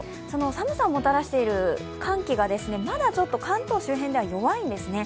寒さをもたらしている寒気がまだ関東周辺では弱いんですね。